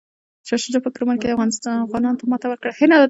شاه شجاع په کرمان کې افغانانو ته ماته ورکړه.